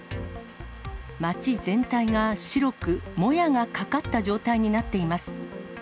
街全体が白くもやがかかった状態になっています。